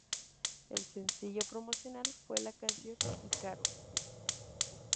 El sencillo promocional fue la canción "Icaro".